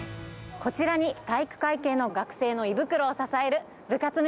こちらに体育会系の学生の胃袋を支える部活